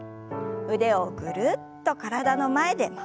腕をぐるっと体の前で回しましょう。